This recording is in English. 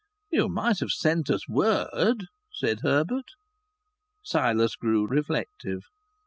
"You might have sent us word," said Herbert. Silas grew reflective.